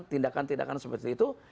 tindakan tindakan seperti itu